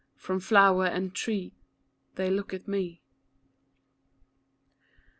From flower and tree They look at me.